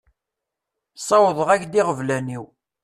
Ssawḍeɣ-ak-d iɣeblan-iw.